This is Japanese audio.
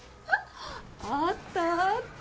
あったあった。